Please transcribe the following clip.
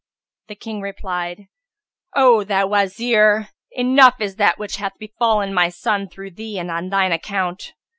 The King replied, "O thou Wazir, enough is that which hath befallen my son through thee and on shine account.